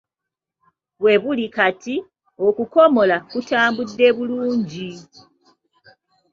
We buli kati, okukomola kutambudde bulungi.